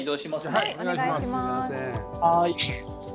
はいお願いします。